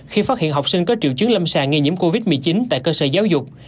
khi phát hiện học sinh có triệu chứng lâm sàng nghi nhiễm covid một mươi chín tại cơ sở giáo dục